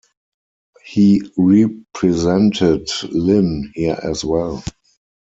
He represented Lyn here as well.